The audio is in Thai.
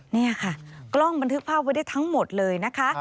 นี่ค่ะกล้องบันทึกภาพไว้ได้ทั้งหมดเลยนะคะ